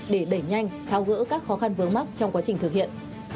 để đẩy nhanh thao gỡ các khó khăn vớ mắc trong quá trình thực hiện